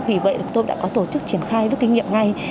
vì vậy tôi đã có tổ chức triển khai rút kinh nghiệm ngay